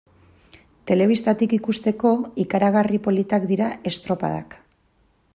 Telebistatik ikusteko, ikaragarri politak dira estropadak.